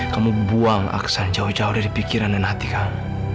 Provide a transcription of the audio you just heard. kamu buang aksa jauh jauh dari pikiran dan hati kamu